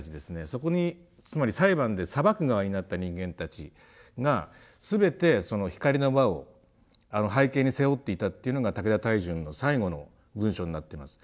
そこにつまり裁判で裁く側になった人間たちが全てその光の輪を背景に背負っていたっていうのが武田泰淳の最後の文章になってます。